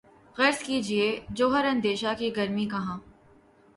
عرض کیجے جوہر اندیشہ کی گرمی کہاں